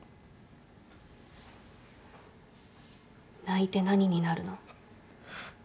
泣いて何になるの？